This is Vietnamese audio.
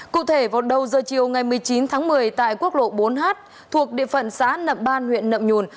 cụ thể vào đầu giờ chiều ngày một mươi chín tháng một mươi tại quốc lộ bốn h thuộc địa phận xã nậm ban huyện nậm nhùn